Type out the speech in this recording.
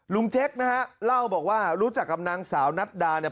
เจ๊กนะฮะเล่าบอกว่ารู้จักกับนางสาวนัดดาเนี่ย